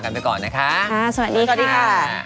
ค่ะสวัสดีค่ะ